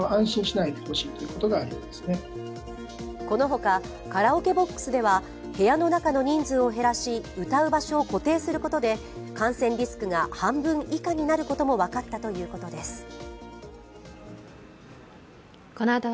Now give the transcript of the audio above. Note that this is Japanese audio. この他、カラオケボックスでは部屋の中の人数を減らし歌う場所を固定することで感染リスクが半分以下になることも分かったということです。